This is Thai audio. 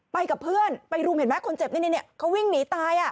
ไปกับเพื่อนไปรุมเห็นไหมคนเจ็บนี่เขาวิ่งหนีตาย